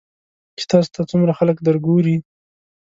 چې تاسو ته څومره خلک درګوري .